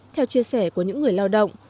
theo chia sẻ của những người lao động